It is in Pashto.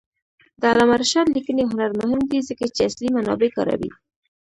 د علامه رشاد لیکنی هنر مهم دی ځکه چې اصلي منابع کاروي.